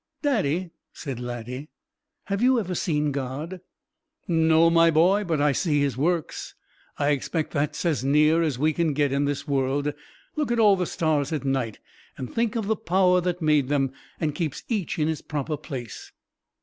"Daddy," said Laddie, "have you ever seen God?" "No, my boy. But I see His works. I expect that is as near as we can get in this world. Look at all the stars at night, and think of the Power that made them and keeps each in its proper place."